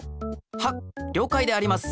はっりょうかいであります。